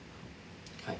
はい。